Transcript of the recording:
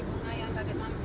gak usah lama lama lu ya